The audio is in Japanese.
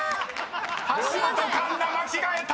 ［橋本環奈間違えた！］